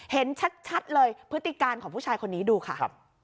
เห็นชัดเลยพฤติการของผู้ชายคนนี้ดูค่ะ